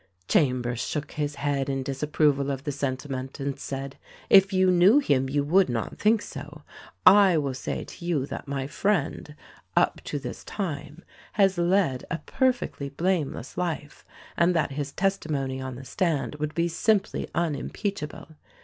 Chambers shook his head in disapproval of the sentiment, and said, "If you knew him you would not think so. I will say to you that my friend — up to this time — has led a per fectly blameless life, and that his testimony on the stand would be simply unimpeachable.